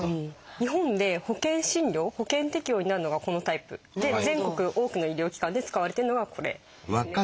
日本で保険診療保険適用になるのがこのタイプで全国多くの医療機関で使われているのがこれですね。